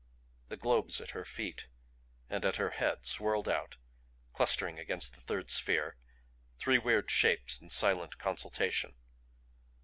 The globes at her feet and at her head swirled out, clustering against the third sphere three weird shapes in silent consultation.